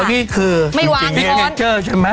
อ๋อนี่คือจริงไม่เจอใช่มั้ย